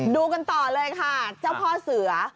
ดูกันต่อเลยค่ะเจ้าพ่อเสือ